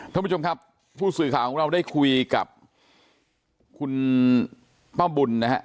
ท่านผู้ชมครับผู้สื่อข่าวของเราได้คุยกับคุณป้าบุญนะฮะ